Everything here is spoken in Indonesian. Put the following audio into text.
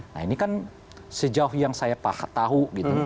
nah ini kan sejauh yang saya tahu gitu